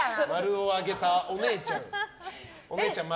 ○を上げたお姉ちゃん。